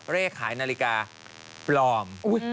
เลขขายนาฬิกาปลอม